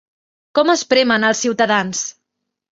Com espremen els ciutadans!